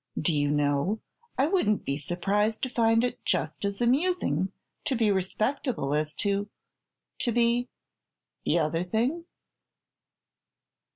Do you know, I wouldn't be surprised to find it just as amusing to be respectable as to to be the other thing?"